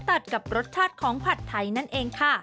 ตัดกับรสชาติของผัดไทยนั่นเองค่ะ